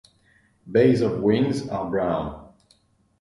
Base of wings are brown.